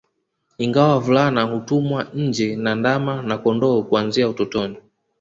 Ingawa wavulana hutumwa nje na ndama na kondoo kuanzia utotoni